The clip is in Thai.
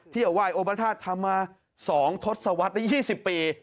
เที่ยวไหว้โอปฏิศาสตร์ธรรมสองทศวรรษใน๒๐ปี